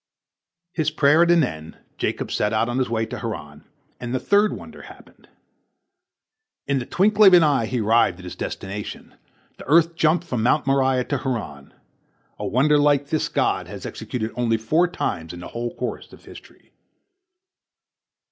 His prayer at an end, Jacob set out on his way to Haran, and the third wonder happened. In the twinkling of an eye he arrived at his destination. The earth jumped from Mount Moriah to Haran. A wonder like this God has executed only four times in the whole course of history.